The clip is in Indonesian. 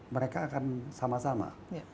mereka akan sama sama